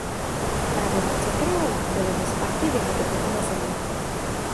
Pravomoci krále byly ve Spartě v jeho době omezené.